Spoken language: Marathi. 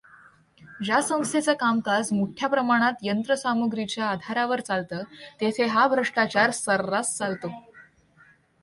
ज्या संस्थेचं कामकाज मोठ्याप्रमाणात यंत्रसामुग्रीच्या आधारावर चालतंं तेथे हा भ्रष्टाचार सर्रास चालतो.